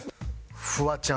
フワちゃん。